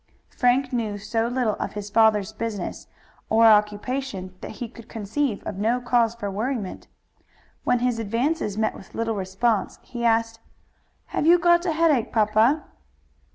Frank knew so little of his father's business or occupation that he could conceive of no cause for worriment. When his advances met with little response he asked: "Have you got a headache, papa?"